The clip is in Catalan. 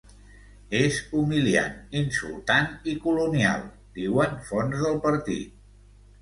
És humiliant, insultant i colonial, diuen fonts del partit.